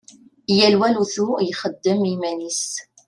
Yal wa lutu i yexdem i yiman-is.